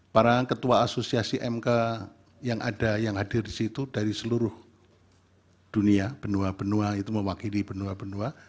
para ketua asosiasi mk yang ada yang hadir di situ dari seluruh dunia benua benua itu mewakili benua benua